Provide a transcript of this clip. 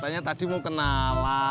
katanya tadi mau kenalan